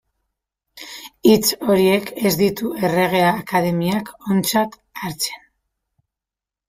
Hitz horiek ez ditu Errege Akademiak ontzat hartzen.